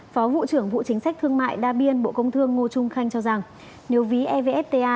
phó vụ trưởng vụ chính sách thương mại đa biên bộ công thương ngô trung khanh cho rằng nếu ví evfta